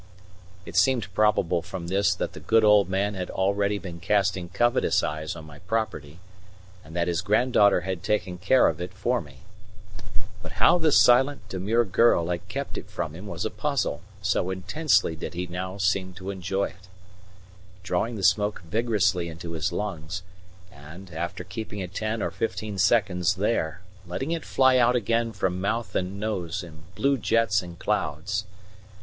It seemed probable from this that the good old man had already been casting covetous eyes on my property, and that his granddaughter had taken care of it for me. But how the silent, demure girl had kept it from him was a puzzle, so intensely did he seem now to enjoy it, drawing the smoke vigorously into his lungs and, after keeping it ten or fifteen seconds there, letting it fly out again from mouth and nose in blue jets and clouds.